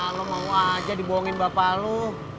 lo mau aja dibohongin bapak lo